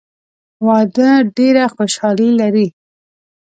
واده ډېره خوشحالي لري.